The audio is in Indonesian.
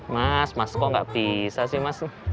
mas mas kok nggak bisa sih mas